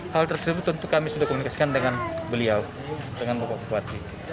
hal tersebut tentu kami sudah komunikasikan dengan beliau dengan bapak bupati